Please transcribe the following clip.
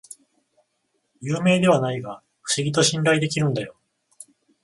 有名ではないが不思議と信頼できるんだよ